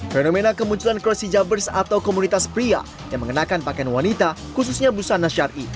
fenomena kemunculan cross hijabers atau komunitas pria yang mengenakan pakaian wanita khususnya busana syari